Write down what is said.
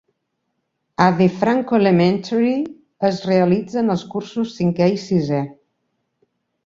A DeFranco Elementary es realitzen els cursos cinquè i sisè.